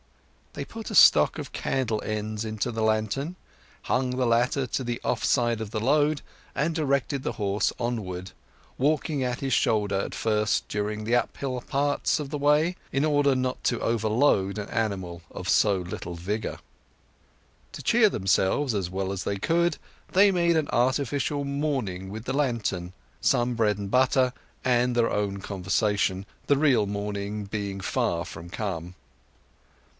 They put a stock of candle ends into the lantern, hung the latter to the off side of the load, and directed the horse onward, walking at his shoulder at first during the uphill parts of the way, in order not to overload an animal of so little vigour. To cheer themselves as well as they could, they made an artificial morning with the lantern, some bread and butter, and their own conversation, the real morning being far from come.